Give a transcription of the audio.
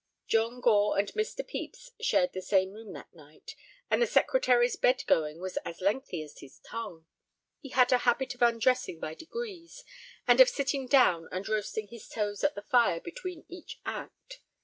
John Gore and Mr. Pepys shared the same room that night, and the Secretary's bed going was as lengthy as his tongue. He had a habit of undressing by degrees, and of sitting down and roasting his toes at the fire between each act.